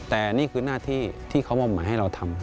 แต่นี่คือหน้าที่ที่เขามอบหมายให้เราทำ